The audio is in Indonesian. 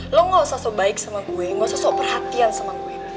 lo gak usah sobaik sama gue gak usah soperhatian sama gue